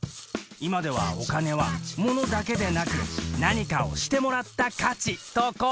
今ではお金は物だけでなく何かをしてもらった価値と交換するものなんだ。